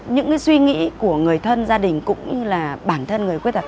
những suy nghĩ của người thân gia đình cũng như bản thân người khuyết tật